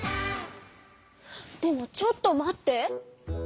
でもちょっと待って！